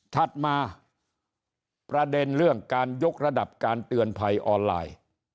ถัดมาประเด็นเรื่องการยกระดับการเตือนภัยออนไลน์